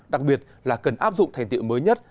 đặc biệt là cần áp dụng thành tiệu mới nhất